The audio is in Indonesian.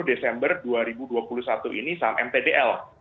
desember dua ribu dua puluh satu ini saham mtdl